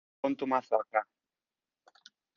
Pon tu Mazo acá.